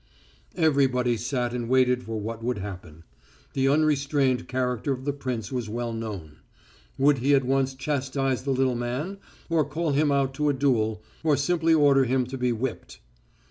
Everybody sat and waited for what would happen. The unrestrained character of the prince was well known. Would he at once chastise the little man, or call him out to a duel, or simply order him to be whipped?